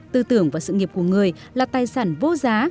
tư tưởng và sự nghiệp của người là tài sản vô giá